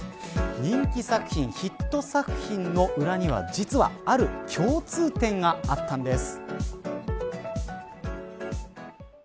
人気作品、ヒット作品の裏には実はある共通点があったんです。